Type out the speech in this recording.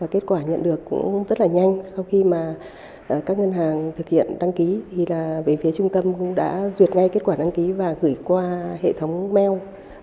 không rất là nhanh sau khi mà các ngân hàng thực hiện đăng ký thì là về phía trung tâm cũng đã duyệt ngay kết quả đăng ký và gửi qua hệ thống mail